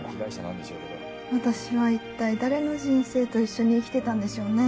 私は一体誰の人生と一緒に生きてたんでしょうね。